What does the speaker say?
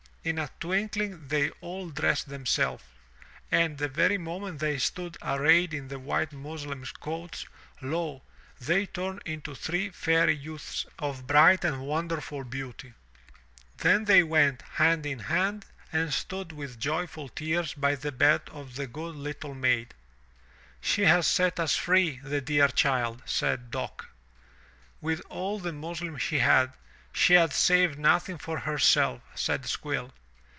In a twinkling they all dressed themselves, and the very moment they stood arrayed in the white muslin coats, lo! they tumed into three fairy youths of bright and wonderful beauty. Then they went, hand in hand, 247 MY BOOK HOUSE and stood with joyful tears by the bed of the good little maid. '*She has set us free, the dear child," said Dock. "With all the muslin she had, she has saved nothing for herself," said Squill.